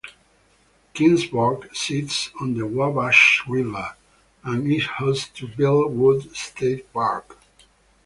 Keensburg sits on the Wabash River and is host to Beall Woods State Park.